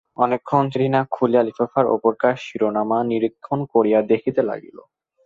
অনেকক্ষণ চিঠি না খুলিয়া লেফাফার উপরকার শিরোনামা নিরীক্ষণ করিয়া দেখিতে লাগিল।